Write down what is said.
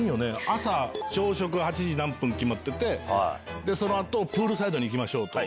朝食８時何分決まっててその後プールサイドに行きましょうと。